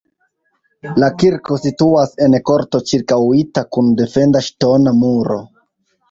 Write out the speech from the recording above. La kirko situas en korto ĉirkaŭita kun defenda ŝtona muro.